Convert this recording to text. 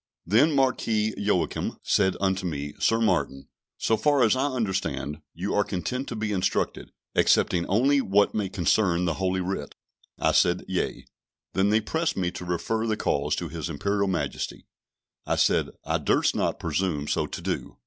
Then Marquis Joachim said unto me "Sir Martin, so far as I understand, you are content to be instructed, excepting only what may concern the Holy Writ." I said, "Yea;" then they pressed me to refer the cause to His Imperial Majesty; I said, I durst not presume so to do.